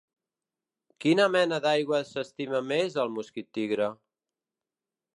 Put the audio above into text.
Quina mena d’aigua s’estima més el mosquit tigre?